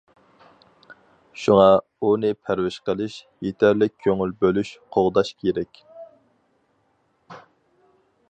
شۇڭا، ئۇنى پەرۋىش قىلىش، يېتەرلىك كۆڭۈل بۆلۈش، قوغداش كېرەك.